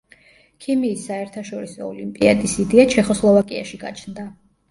ქიმიის საერთაშორისო ოლიმპიადის იდეა ჩეხოსლოვაკიაში გაჩნდა.